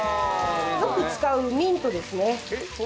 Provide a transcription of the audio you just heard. よく使うミントですね。